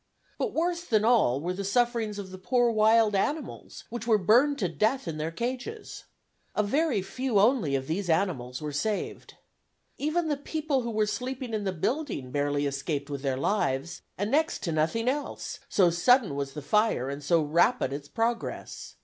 But worse than all were the sufferings of the poor wild animals which were burned to death in their cages. A very few only of these animals were saved. Even the people who were sleeping in the building barely escaped with their lives, and next to nothing else, so sudden was the fire and so rapid its progress.